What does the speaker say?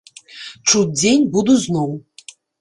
Чуць дзень буду зноў.